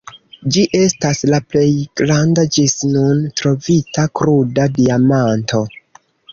Ĝi estas la plej granda ĝis nun trovita kruda diamanto.